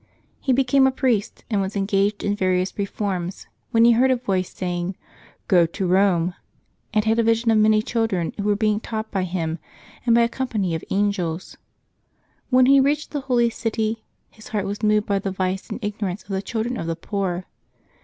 He became a priest, and was engaged in various reforms, when he heard a voice saying, ^' Go to Kome,^' and had a vision of many children who were being taught by him and by a company of angels. When he reached the Holy City, his heart was moved by the vice and ignorance of the children of the poor.